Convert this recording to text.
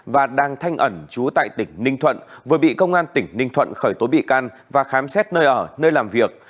và đang thanh ẩn trú tại tỉnh ninh thuận vừa bị công an tỉnh ninh thuận khởi tố bị can và khám xét nơi ở nơi làm việc